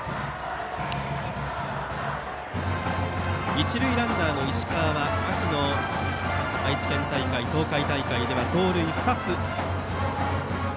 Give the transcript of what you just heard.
一塁ランナーの石川は秋の愛知県大会、東海大会では盗塁２つ。